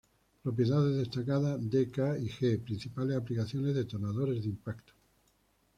Propiedades destacadas: d, K y g. Principales aplicaciones: detonadores de impacto.